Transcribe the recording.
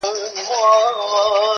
له نارنج ګل له سنځل ګل څخه راغلي عطر -